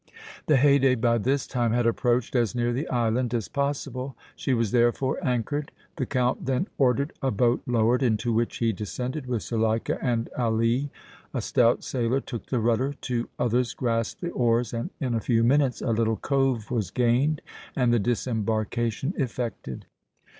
The Haydée by this time had approached as near the island as possible; she was therefore anchored. The Count then ordered a boat lowered, into which he descended with Zuleika and Ali. A stout sailor took the rudder, two others grasped the oars, and, in a few minutes, a little cove was gained and the disembarkation effected.